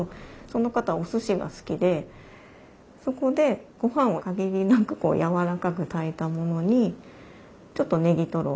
その方おすしが好きでそこでごはんを限りなくやわらかく炊いたものにちょっとネギトロ